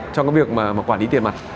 trong cái việc mà quản lý tiền mặt